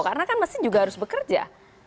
karena kan mesin juga harus bekerja